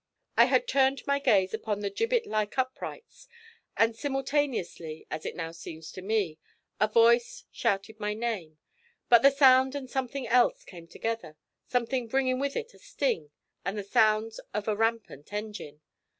I had turned my gaze upon the gibbet like uprights, and simultaneously, as it now seems to me, a voice shouted my name; but the sound and something else came together something bringing with it a sting and the sounds of a rampant engine.